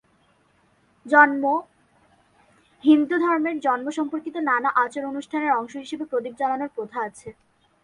জন্ম: হিন্দু ধর্মের জন্ম সম্পর্কিত নানা আচার-অনুষ্ঠানের অংশ হিসেবে প্রদীপ জ্বালানোর প্রথা আছে।